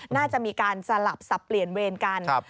น่าจะมีการสลับสับเปลี่ยนเวรกัน